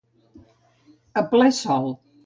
A ple sol.